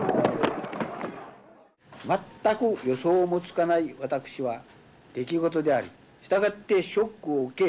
全く予想もつかない私は出来事でありしたがってショックを受け